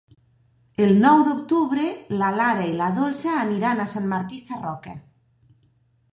El nou d'octubre na Lara i na Dolça aniran a Sant Martí Sarroca.